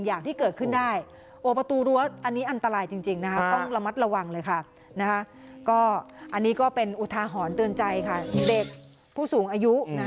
อันนี้ก็เป็นอุทาหอนเตือนใจของเด็กผู้สูงอายุ